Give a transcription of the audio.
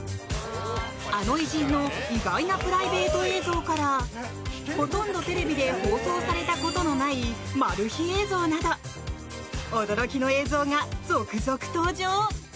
あの偉人の意外なプライベート映像からほとんどテレビで放送されたことのないマル秘映像など驚きの映像が続々登場。